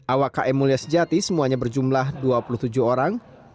awak km mulia sejati semuanya berjumlah dua puluh tujuh orang